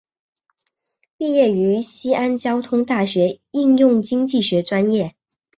毕业于西安交通大学应用经济学专业。